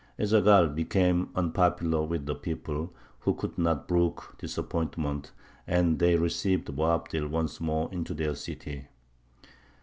Ez Zaghal became unpopular with the people, who could not brook disappointment, and they received Boabdil once more into their city.